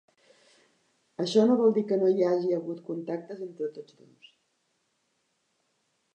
Això no vol dir que no hi hagi hagut contactes entre tots dos.